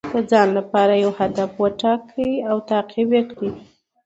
د ځان لپاره یو هدف وټاکئ او تعقیب یې کړئ.